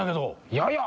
やや！